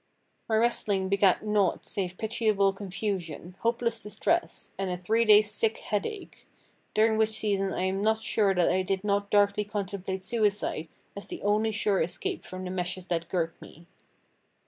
My wrestling begat naught save pitiable confusion, hopeless distress, and a three days' sick headache, during which season I am not sure that I did not darkly contemplate suicide as the only sure escape from the meshes that girt me.